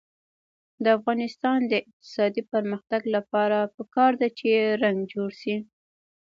د افغانستان د اقتصادي پرمختګ لپاره پکار ده چې رنګ جوړ شي.